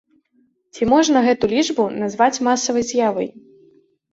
Ці можна гэту лічбую назваць масавай з'явай?